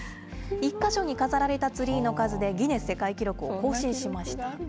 １か所に飾られたツリーの数でギネス世界記録を更新しました。